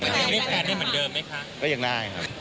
ยังเรียกแฟนได้เหมือนเดิมไหมคะก็ยังได้ครับ